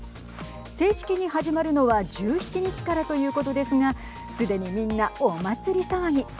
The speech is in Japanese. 正式に始まるのは１７日からということですがすでにみんなお祭り騒ぎ。